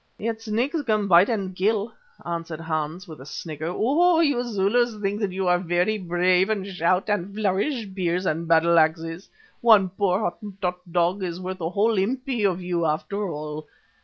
"Yet snakes can bite and kill," answered Hans with a snigger. "Oh! you Zulus think that you are very brave, and shout and flourish spears and battleaxes. One poor Hottentot dog is worth a whole impi of you after all.